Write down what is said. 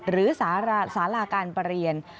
หรือสาราการประเรียน